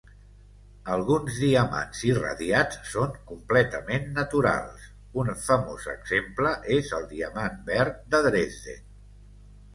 Alguns diamants irradiats són completament naturals; un famós exemple és el Diamant Verd de Dresden.